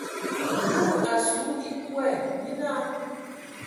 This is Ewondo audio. Kulu a su ekɔɛ, nye naa.